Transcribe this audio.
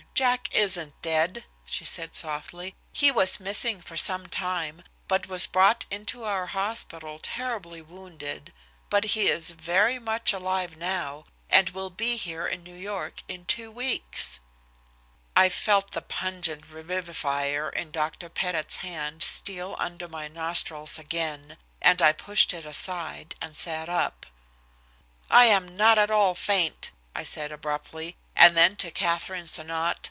Jack isn't dead," she said softly. "He was missing for some time, and was brought into our hospital terribly wounded, but he is very much alive now, and will be here in New York in two weeks." I felt the pungent revivifier in Dr. Pettit's hand steal under my nostrils again, but I pushed it aside and sat up. "I am not at all faint," I said abruptly, and then to Katherine Sonnot.